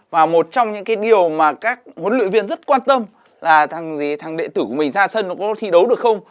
và một trong những cái điều mà các huấn luyện viên rất quan tâm là thằng gì thằng đệ tử của mình ra sân nó có thi đấu được không